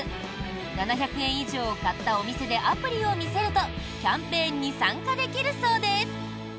７００円以上を買ったお店でアプリを見せるとキャンペーンに参加できるそうです。